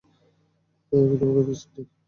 আমি তোমাদের চিনি।